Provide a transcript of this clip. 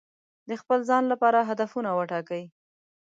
د خپل ځان لپاره هدفونه وټاکئ.